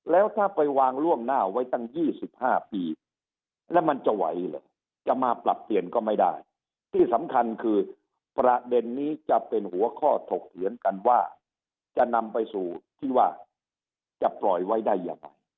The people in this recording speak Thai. แล้วถ้าไปวางล่วงหน้าไว้ตั้ง๒๕ปีแล้วมันจะไหวเหรอจะมาปรับเปลี่ยนก็ไม่ได้ที่สำคัญคือประเด็นนี้จะเป็นหัวข้อถกเถียงกันว่าจะนำไปสู่ที่ว่าจะปล่อยไว้ได้ยังไง